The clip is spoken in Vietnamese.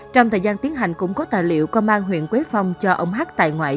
trong thời gian tiến hành cũng có tài liệu có mang huyện quế phong cho ông h tại ngoại